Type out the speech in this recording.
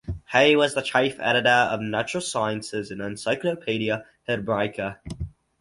He was the chief editor of natural sciences in Encyclopaedia Hebraica.